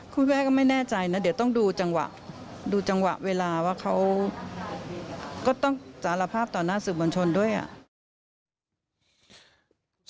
คุณแม่ก็ไม่แน่ใจนะเดี๋ยวต้องดูจังหวะดูจังหวะเวลาว่าเขาก็ต้องสารภาพต่อหน้าสื่อมวลชนด้วยอ่ะ